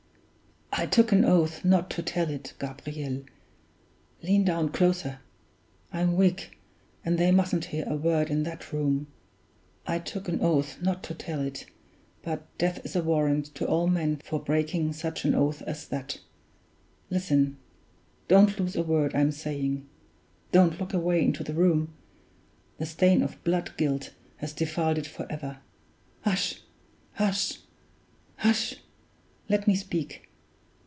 "I took an oath not to tell it, Gabriel lean down closer! I'm weak, and they mustn't hear a word in that room I took an oath not to tell it; but death is a warrant to all men for breaking such an oath as that. Listen; don't lose a word I'm saying! Don't look away into the room: the stain of blood guilt has defiled it forever! Hush! hush! hush! Let me speak.